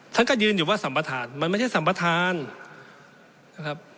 ท่านก็ยืนอยู่ว่าสัมประธานมันไม่ใช่สัมประธานนะครับ